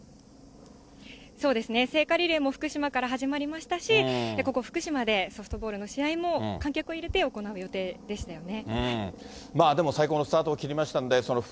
そうですね、聖火リレーも福島から始まりましたし、ここ、福島で、ソフトボールの試合も、観客を入れて行う予定でしたよね。